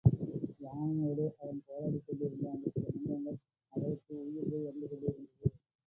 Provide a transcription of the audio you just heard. யானையோடு அவன் போராடிக் கொண்டிருந்த அந்தச் சில நிமிடங்கள் அவளுக்கு உயிர் போய் வந்து கொண்டிருந்தது.